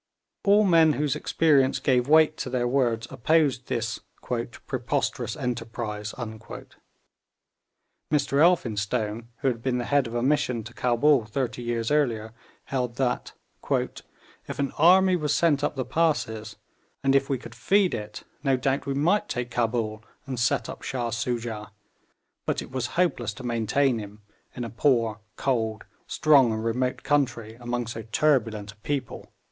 All men whose experience gave weight to their words opposed this 'preposterous enterprise.' Mr Elphinstone, who had been the head of a mission to Cabul thirty years earlier, held that 'if an army was sent up the passes, and if we could feed it, no doubt we might take Cabul and set up Shah Soojah; but it was hopeless to maintain him in a poor, cold, strong and remote country, among so turbulent a people.'